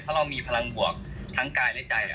ถ้าเรามีพลังบวกทั้งกายและใจ